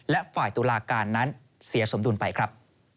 และฝ่ายตุลาการนั้นเสียสมดุลไปครับ